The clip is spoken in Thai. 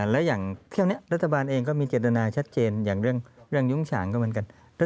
แล้วอย่างเที่ยวนี้รัฐบาลเองก็มีเจตนาชัดเจนอย่างเรื่องยุ้งฉางก็เหมือนกัน